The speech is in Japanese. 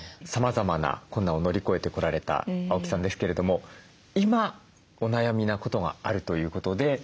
さまざまな困難を乗り越えてこられた青木さんですけれども今お悩みなことがあるということで。